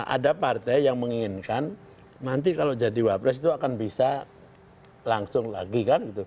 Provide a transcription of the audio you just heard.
ada partai yang menginginkan nanti kalau jadi wapres itu akan bisa langsung lagi kan gitu